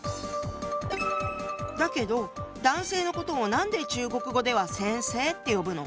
だけど男性のことをなんで中国語では「先生」って呼ぶの？